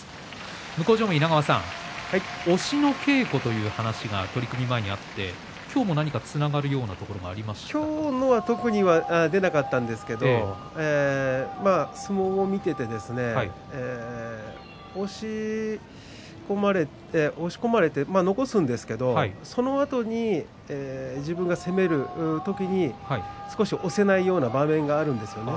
向正面の稲川さん押しの稽古という話が取組前にあって、今日も何かつながるようなところは今日は特に出なかったんですけど相撲を見ていてですね押し込まれて残すんですけれどそのあとに自分が攻める時に少し押せないような場面があるんですよね。